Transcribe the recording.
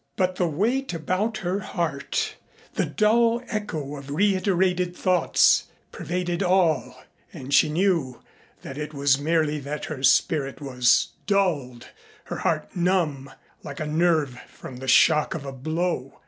But the weight about her heart, the dull echo of reiterated thoughts pervaded all and she knew that it was merely that her spirit was dulled, her heart numb, like a nerve from the shock of a blow.